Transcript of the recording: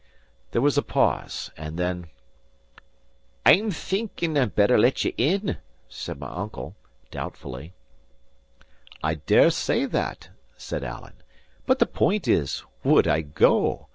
There was a pause; and then, "I'm thinking I'll better let ye in," says my uncle, doubtfully. "I dare say that," said Alan; "but the point is, Would I go?